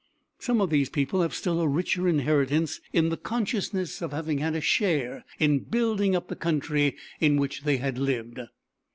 Some of these people have still a richer inheritance in the consciousness of having had a share in building up the country in which they have lived.